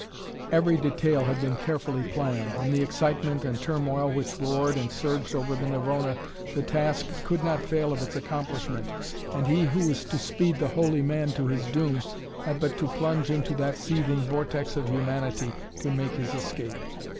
Every detail had been carefully planned. In the excitement and turmoil which roared and surged over the Navona the task could not fail of its accomplishment and he who was to speed the holy man to his doom had but to plunge into that seething vortex of humanity to make his escape.